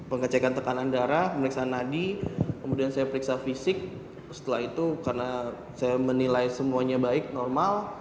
pengecekan tekanan darah pemeriksaan nadi kemudian saya periksa fisik setelah itu karena saya menilai semuanya baik normal